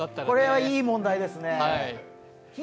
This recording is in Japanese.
これはいい問題ですね。